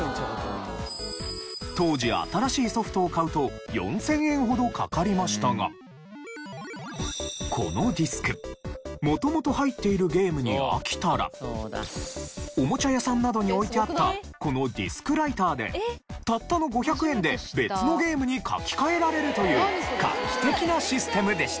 当時新しいソフトを買うと４０００円ほどかかりましたがこのディスク元々入っているゲームに飽きたらおもちゃ屋さんなどに置いてあったこのディスクライターでたったの５００円で別のゲームに書き換えられるという画期的なシステムでした。